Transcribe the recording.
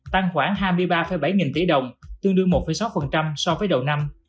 tăng khoảng hai mươi ba bảy nghìn tỷ đồng tương đương một sáu so với đầu năm